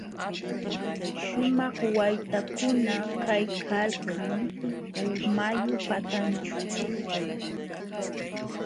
Śhumaq waytakuna kaykalkan mayu patanćhu.